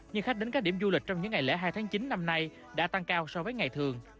nhưng khách đến các điểm du lịch trong những ngày lễ hai tháng chín năm nay đã tăng cao so với ngày thường